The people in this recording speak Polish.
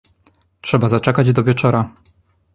"Trzeba zaczekać do wieczora."